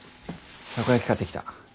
たこ焼き買ってきた。